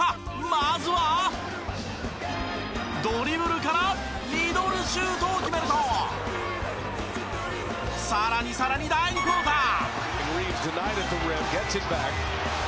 まずはドリブルからミドルシュートを決めるとさらにさらに第２クオーター。